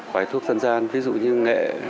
bài thuốc dân gian ví dụ như nghệ